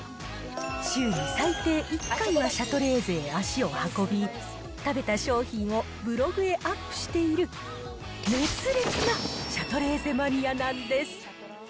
週に最低１回はシャトレーゼへ足を運び、食べた商品をブログへアップしている、熱烈なシャトレーゼマニアなんです。